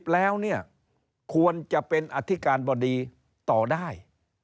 ๖๐แล้วควรจะเป็นอธิการบดีต่อได้